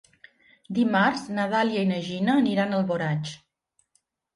Dimarts na Dàlia i na Gina aniran a Alboraig.